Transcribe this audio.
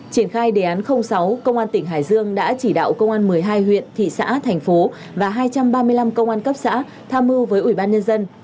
triển khai đề án sáu công an tỉnh hải dương đã chỉ đạo công an một mươi hai huyện thị xã thành phố và hai trăm ba mươi năm công an cấp xã tham mưu với ủy ban nhân dân